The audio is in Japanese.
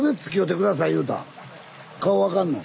顔分かんの？